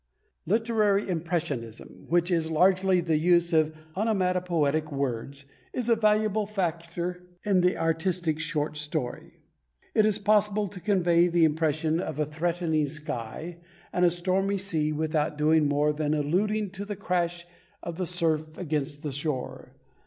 "Literary impressionism," which is largely the use of onomatopoetic words, is a valuable factor in the artistic short story. It is possible to convey the impression of a threatening sky and a stormy sea without doing more than alluding to the crash of the surf against the shore.